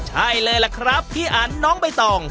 ใช่เลยล่ะครับพี่อันน้องใบตอง